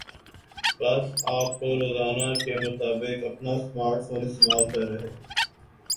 پس آپ کو روزانہ کے مطابق اپنا سمارٹ فون استعمال کر ہے